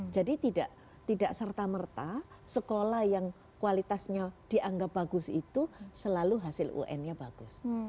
jadi tidak serta merta sekolah yang kualitasnya dianggap bagus itu selalu hasil un nya bagus